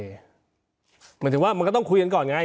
หมายถึงว่ามันก็ต้องคุยกันก่อนไง